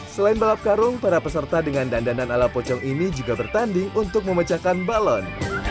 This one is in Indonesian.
selain balap karung para peserta dengan dandanan ala pocong ini juga bertanding untuk memecahkan balon